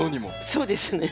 そうですね。